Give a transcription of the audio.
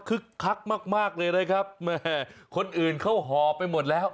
คึกคักมากเลยได้ครับคนอื่นเขาห่อไปหมดแล้ว